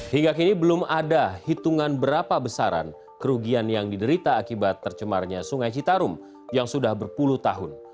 hingga kini belum ada hitungan berapa besaran kerugian yang diderita akibat tercemarnya sungai citarum yang sudah berpuluh tahun